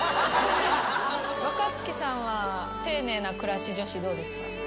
若槻さんは丁寧な暮らし女子どうですか？